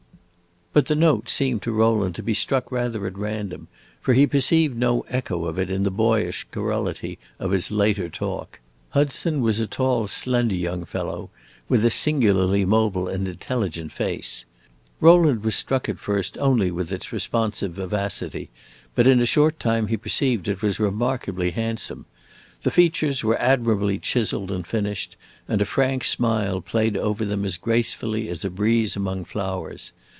But the note seemed to Rowland to be struck rather at random, for he perceived no echo of it in the boyish garrulity of his later talk. Hudson was a tall, slender young fellow, with a singularly mobile and intelligent face. Rowland was struck at first only with its responsive vivacity, but in a short time he perceived it was remarkably handsome. The features were admirably chiseled and finished, and a frank smile played over them as gracefully as a breeze among flowers.